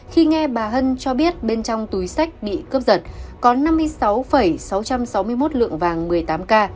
khi nghe bà hân cho biết bên trong túi sách bị cướp giật có năm mươi sáu sáu trăm sáu mươi một lượng vàng một mươi tám k